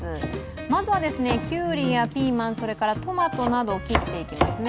まずはきゅうりやピーマンそれからトマトなどを切っていきますね。